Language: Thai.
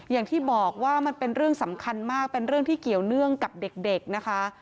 อย่างที่บอกว่ามันเป็นเรื่องสำคัญมากเป็นเรื่องที่เกี่ยวเนื่องกับเด็กนะคะ